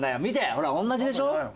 ほら同じでしょ？